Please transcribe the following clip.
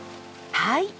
はい。